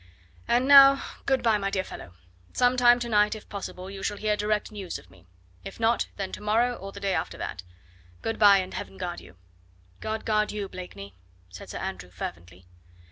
And now, good bye, my dear fellow! Some time to night, if possible, you shall hear direct news of me if not, then to morrow or the day after that. Good bye, and Heaven guard you!" "God guard you, Blakeney!" said Sir Andrew fervently.